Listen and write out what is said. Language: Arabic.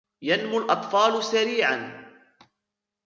ينمو الأطفال سريعا